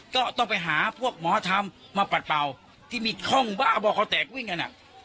ก็ต้องไปหาพวกหมอธรรมมาปัดเป่าที่มีข้องบ้าบอกเขาแตกวิ่งกัน